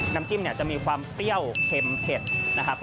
น้ำจิ้มเนี่ยจะมีความเปรี้ยวเค็มเผ็ดนะครับ